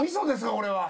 これは。